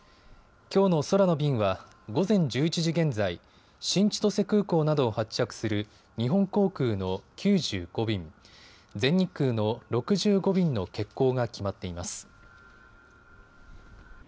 きょうの空の便は午前１１時現在、新千歳空港などを発着する日本航空の９５便、全日空の６５便の欠航が決まっています。